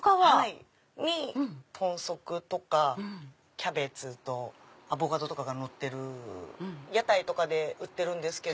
豚足とかキャベツとアボカドとかがのってる屋台とかで売ってるんですけど。